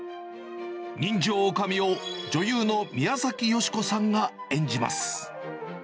人情おかみを女優の宮崎美子さんが演じます。